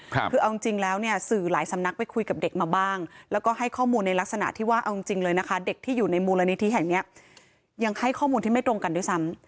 คือเอาจริงแล้วเนี่ยสื่อหลายสำนักไปคุยกับเด็กมาบ้างแล้วก็ให้ข้อมูลในลักษณะที่ว่าเอาจริงเลยนะคะเด็กที่อยู่ในมูลนิธิแห่งเนี้ยยังให้ข้อมูลที่ไม่ตรงกันด้วยซ้ำ